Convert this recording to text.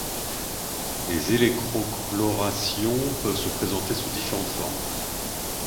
Les élecrochlorations peuvent se présenter sous différentes formes.